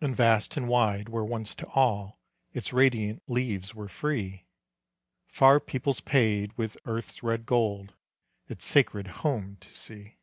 And vast and wide where once to all Its radiant leaves were free, Far peoples paid, with earth's red gold, Its sacred home to see.